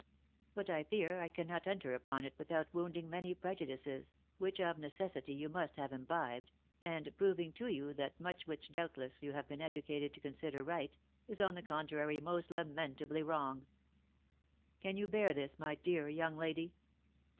But I fear I cannot enter upon it without wounding many prejudices which of necessity you must have imbibed, and prov ing to you that much which doubtless you have been educated to con sider right, is on the contrary most lamentably wrong. Can you bear this my dear young lady